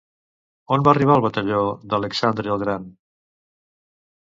On va arribar el batalló d'Alexandre el Gran?